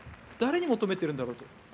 誰に求めているんだろうと。